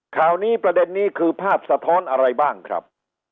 ข่าวนี้ประเด็นนี้คือภาพสะท้อนอะไรบ้างครับ